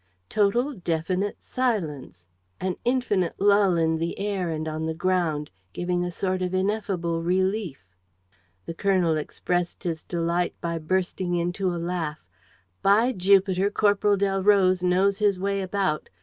Total, definite silence, an infinite lull in the air and on the ground, giving a sort of ineffable relief! The colonel expressed his delight by bursting into a laugh: "By Jupiter, Corporal Delroze knows his way about!